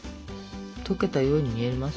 溶けたように見えますけど。